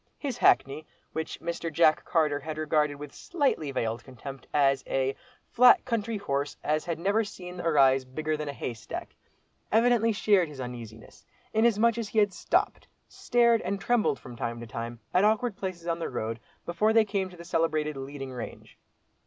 His hackney, which Mr. Jack Carter had regarded with slightly veiled contempt as a "flat country horse, as had never seen a rise bigger than a haystack," evidently shared his uneasiness, inasmuch as he had stopped, stared and trembled from time to time, at awkward places on the road, before they came to the celebrated "leading range."